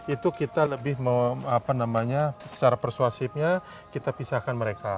itu kita lebih secara persuasifnya kita pisahkan mereka